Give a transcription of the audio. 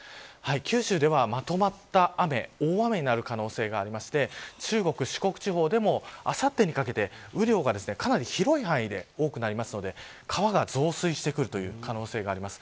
九州では、まとまった雨大雨になる可能性があって中国四国地方でもあさってにかけて雨量がかなり広い範囲で多くなるので川が増水してくるという可能性があります。